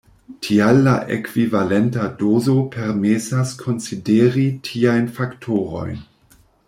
Tial la ekvivalenta dozo permesas konsideri tiajn faktorojn.